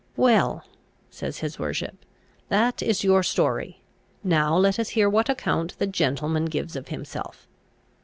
"Well," says his worship, "that is your story; now let us hear what account the gentleman gives of himself.